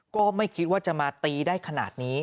ก็ไม่คิดว่าจะมาตีได้ขนาดนี้